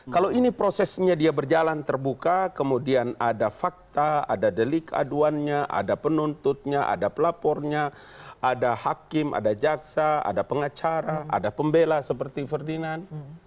kalau ini prosesnya dia berjalan terbuka kemudian ada fakta ada delik aduannya ada penuntutnya ada pelapornya ada hakim ada jaksa ada pengacara ada pembela seperti ferdinand